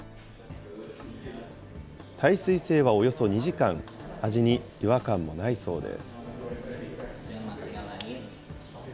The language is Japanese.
耐水性はおよそ２時間、味に違和感もないそうです。